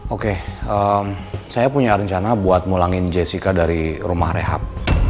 oke saya punya rencana buat mulangin jessica dari rumah rehab